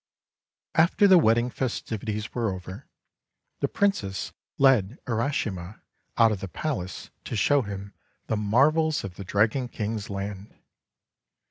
After the wedding festivities were over, the Princess led Urashima out of the palace to show him the marvels of the Dragon King's land.